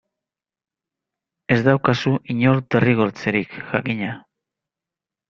Ez daukazu inor derrigortzerik, jakina.